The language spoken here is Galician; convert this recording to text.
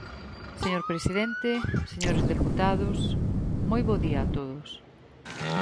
Señor presidente, señores deputados, moi bo día a todos.